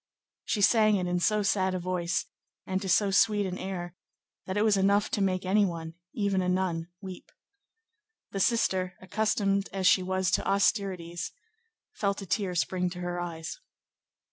She sang it in so sad a voice, and to so sweet an air, that it was enough to make any one, even a nun, weep. The sister, accustomed as she was to austerities, felt a tear spring to her eyes.